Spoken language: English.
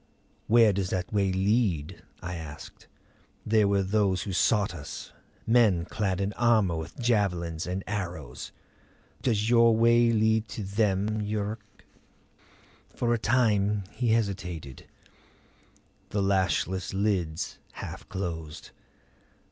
"Where does that way lead?" I asked. "There were those who sought us; men clad in armor with javelins and arrows. Does your way lead to them, Yuruk?" For a time he hesitated, the lashless lids half closed.